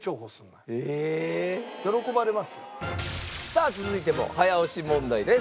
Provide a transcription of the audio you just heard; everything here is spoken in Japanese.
さあ続いても早押し問題です。